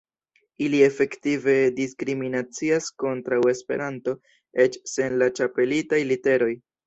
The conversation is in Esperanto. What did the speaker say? Ili efektive diskriminacias kontraŭ Esperanto eĉ sen la ĉapelitaj literoj.